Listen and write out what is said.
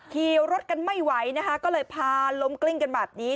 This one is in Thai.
ขี่รถกันไม่ไหวนะคะก็เลยพาล้มกลิ้งกันแบบนี้